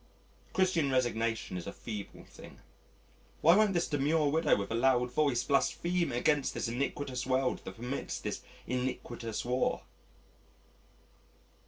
Christian resignation is a feeble thing. Why won't this demure widow with a loud voice blaspheme against this iniquitous world that permits this iniquitous war?